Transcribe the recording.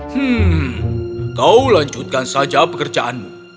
hmm kau lanjutkan saja pekerjaanmu